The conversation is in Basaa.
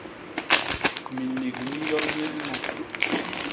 Minik mi nyon nye i ño.